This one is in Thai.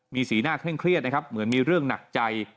มีสีหน้าเคร่งเครียดนะครับเหมือนมีเรื่องหนักใจ